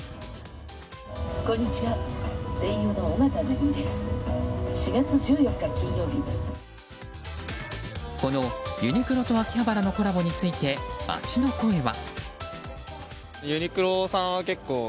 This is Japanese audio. このユニクロと秋葉原のコラボについて街の声は。